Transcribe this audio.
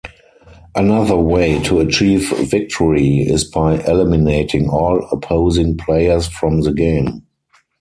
Another way to achieve victory is by eliminating all opposing players from the game.